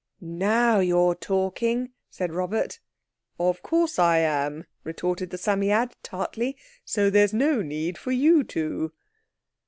"Now you're talking," said Robert. "Of course I am," retorted the Psammead tartly, "so there's no need for you to."